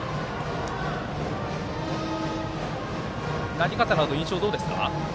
投げ方など印象どうですか？